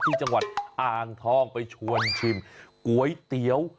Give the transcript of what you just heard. ที่จังหวัดอ่างทองไปชวนชิมก๋วยเตี๋ยว